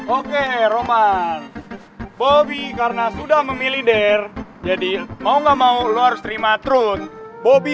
oke roman bobby karena sudah memilih dare jadi mau nggak mau lu harus terima trus bobby